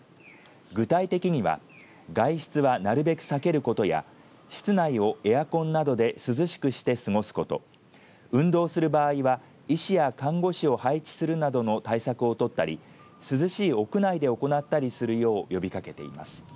具体的には外出はなるべく避けることや室内をエアコンなどで涼しくして過ごすこと、運動する場合は医師や看護師を配置するなどの対策を取ったり涼しい屋内で行ったりするよう呼びかけています。